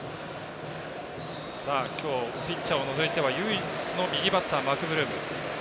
今日ピッチャーを除いては唯一の右バッター、マクブルーム。